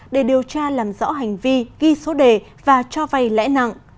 để điều tra làm rõ hành vi ghi số đề và cho vay lãi nặng